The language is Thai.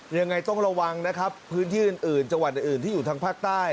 ยังไงต้องระวังนะครับพื้นที่อื่นจังหวัดอื่นที่อยู่ทางภาคใต้